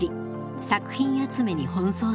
作品集めに奔走します。